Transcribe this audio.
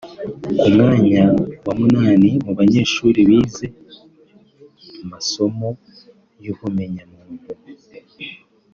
ku mwanya wa munani mu banyeshuri bize masomo y’ubumenyamuntu